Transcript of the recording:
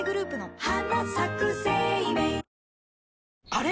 あれ？